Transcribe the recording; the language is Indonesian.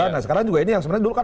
yang paling menonjol juga